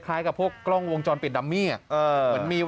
กับพวกกล้องวงจรปิดดัมมี่